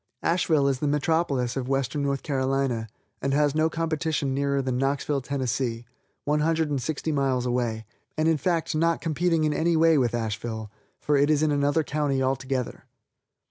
Asheville is the metropolis of Western North Carolina, and has no competition nearer than Knoxville, Tenn., one hundred and sixty miles away, and, in fact, not in any way competing with Asheville, for it is in another county altogether.